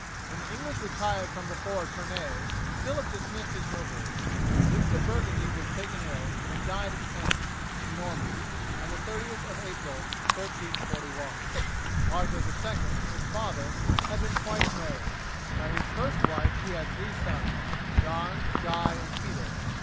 When the English retired from before Tournay Phillip dismissed his nobles. The Duke of Burgundy was taken ill, and died at Caen, in Normandy, on the 30th of April, 1341. Arthur II, his father, had been twice married. By his first wife he had three sons, John, Guy, and Peter.